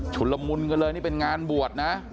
ชุดละมุนก็เลยเป็นงานบวช